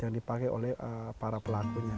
yang dipakai oleh para pelakunya